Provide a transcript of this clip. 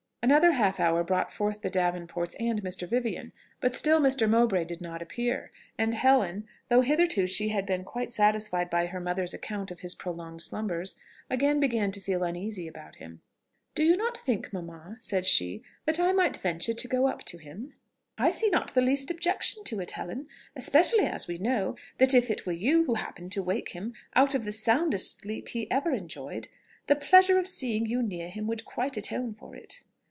Another half hour brought forth the Davenports and Mr. Vivian; but still Mr. Mowbray did not appear, and Helen, though hitherto she had been quite satisfied by her mother's account of his prolonged slumbers, again began to feel uneasy about him. "Do you not think, mamma," said she, "that I might venture to go up to him?" "I see not the least objection to it, Helen; especially as we know, that if it were you who happened to wake him out of the soundest sleep he ever enjoyed, the pleasure of seeing you near him would quite atone for it."